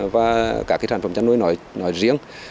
và các sản phẩm chăn nuôi nói riêng